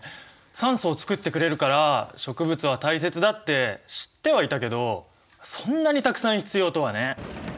酸素を作ってくれるから植物は大切だって知ってはいたけどそんなにたくさん必要とはね。